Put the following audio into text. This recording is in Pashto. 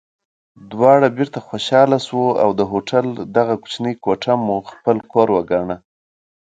دواړه بېرته خوشحاله شوو او د هوټل دغه کوچنۍ کوټه مو خپل کور وګاڼه.